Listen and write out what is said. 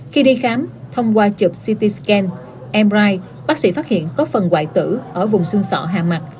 khi đi khám thông qua chụp ct scan mri bác sĩ phát hiện có phần hoài tử ở vùng xương sọ hạ mặt